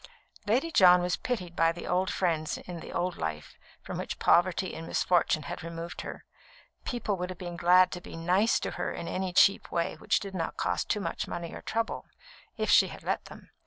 Lady John was pitied by the old friends in the old life from which poverty and misfortune had removed her. People would have been glad to be "nice" to her in any cheap way which did not cost too much money or trouble, if she had let them.